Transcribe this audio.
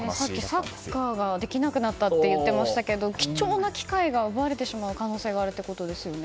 さっきサッカーができなくなったと言ってましたが貴重な機会が奪われてしまう可能性があるってことですよね。